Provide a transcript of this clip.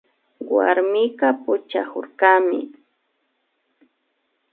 Warmika puchakurkami